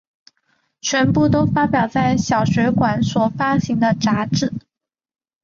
全部都发表在小学馆所发行的杂志。